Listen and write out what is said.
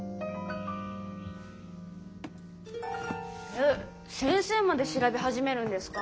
え先生まで調べ始めるんですか？